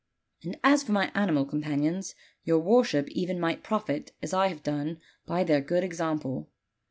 And as for my animal companions, your worship even might profit as I have done by their good example.